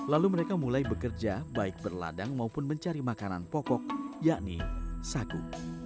lalu mereka mulai bekerja baik berladang maupun mencari makanan pokok yakni saku